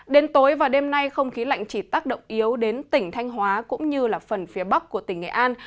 đến tối và đêm nay không khí lạnh chỉ tác động yếu đến tỉnh thanh hóa cũng như phần phía bắc của tỉnh nghệ an